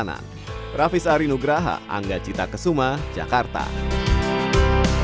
dengan peningkatan fasilitas yang memberikan kenyamanan serta keamanan selama perjalanan